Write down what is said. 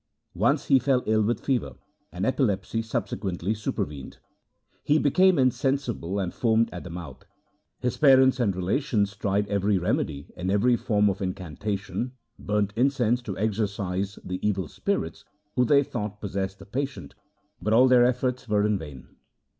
Once he fell ill with fever, and epilepsy subsequently supervened. He became insensible and foamed at the mouth. His parents and relations tried every remedy and every form of incantation, burnt in cense to exorcise the evil spirits who they thought possessed the patient, but all their efforts were in vain.